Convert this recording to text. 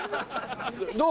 どう？